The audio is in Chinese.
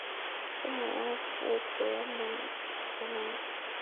圣瓦阿斯德隆格蒙。